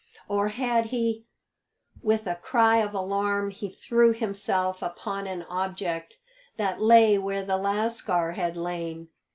Or had he With a cry of alarm he threw himself upon an object that lay where the lascar had lain.